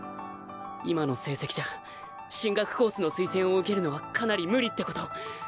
今の成績じゃ進学コースの推薦を受けるのはかなりムリってこと。